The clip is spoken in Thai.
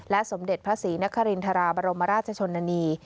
สมเด็จพระศรีนครินทราบรมราชชนนานี